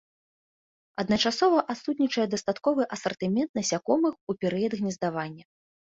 Адначасова адсутнічае дастатковы асартымент насякомых у перыяд гнездавання.